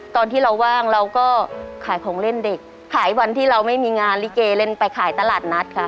ตอนที่เราว่างเราก็ขายของเล่นเด็กขายวันที่เราไม่มีงานลิเกเล่นไปขายตลาดนัดค่ะ